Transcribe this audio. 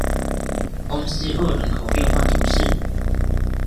翁西厄人口变化图示